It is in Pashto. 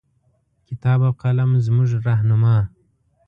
کتاب او قلم زمونږه رهنما